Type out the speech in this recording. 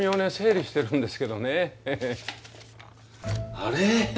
あれ？